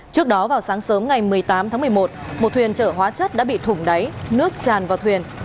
trước đó vào sáng sớm ngày một mươi tám tháng một mươi một một thuyền chở hóa chất đã bị thủng đáy nước tràn vào thuyền